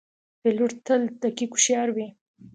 پیلوټ تل دقیق او هوښیار وي.